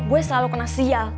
gue selalu kena sial